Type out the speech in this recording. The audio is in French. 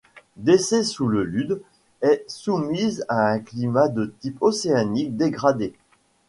Dissé-sous-le-Lude est soumise à un climat de type océanique dégradé.